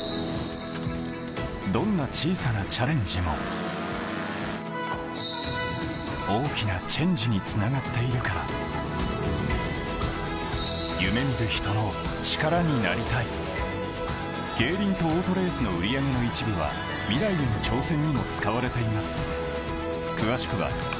どんな小さなチャレンジも大きなチェンジにつながっているから夢見る人の力になりたい競輪とオートレースの売り上げの一部はミライへの挑戦にも使われています